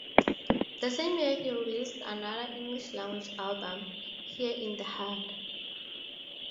The same year he released another English-language album, "Here in the heart".